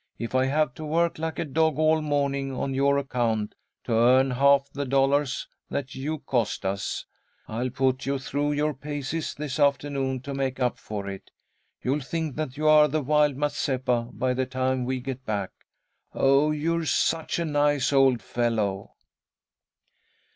"If I have to work like a dog all morning on your account, to earn half the dollars that you cost us, I'll put you through your paces this afternoon to make up for it. You'll think that you are the Wild Mazeppa by the time we get back. Oh, you're such a nice old fellow!"